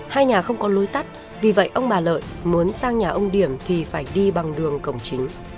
hai nhà không có lối tắt vì vậy ông bà lợi muốn sang nhà ông điểm thì phải đi bằng đường cổng chính